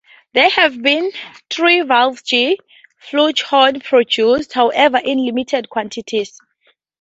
There have been three valve G Flugelhorns produced, however in limited quantities.